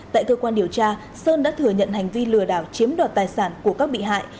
tại cơ quan điều tra sơn đã thừa nhận hành vi lừa đảo chiếm đoạt tài sản của các bị hại